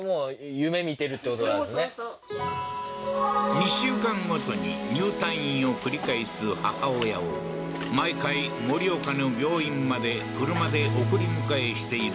２週間ごとに入退院を繰り返す母親を毎回盛岡の病院まで車で送り迎えしている和司さん